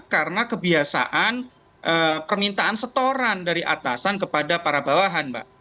karena kebiasaan permintaan setoran dari atasan kepada para bawahan mbak